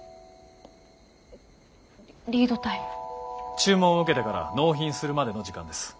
注文を受けてから納品するまでの時間です。